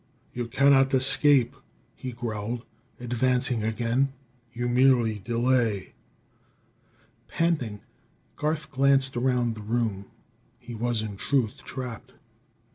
"You cannot escape," he growled, advancing again; "you merely delay." Panting, Garth glanced around the room. He was, in truth, trapped.